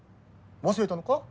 忘れたのか？